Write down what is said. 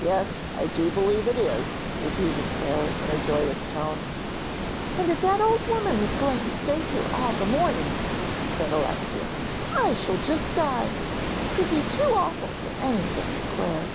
"Yes, I do believe it is," repeated Clare, in a joyous tone. "And if that old woman is going to stay here all the morning," said Alexia, "I shall just die. 'Twould be too awful for anything, Clare."